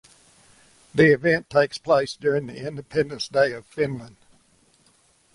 The event takes place during the Independence Day of Finland.